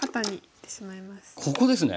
ここですね。